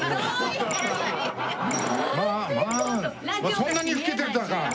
そんなに老けてたか。